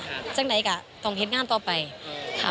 เพราะว่าก็ต้องเห็นงานต่อไปค่ะ